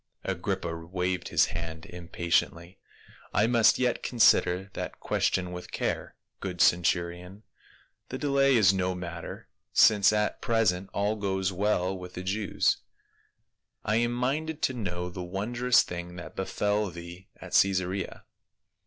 Agrippa waved his hand impatiently, " I must yet consider that question with care, good centurion ; the delay is no matter, since at present all goes well with 182 PAUL. the Jews. I am minded to know the wondrous thing that befell thee at Caesarea."